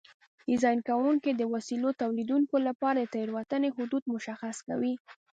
ډیزاین کوونکي د وسایلو تولیدوونکو لپاره د تېروتنې حدود مشخص کوي.